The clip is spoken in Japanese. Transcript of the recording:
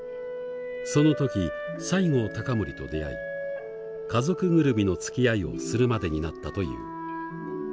その時西郷隆盛と出会い家族ぐるみのつきあいをするまでになったという。